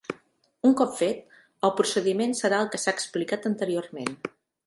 Un cop fet, el procediment serà el que s'ha explicat anteriorment.